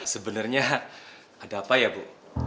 sebenarnya ada apa ya bu